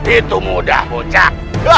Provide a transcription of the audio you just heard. itu mudah bocah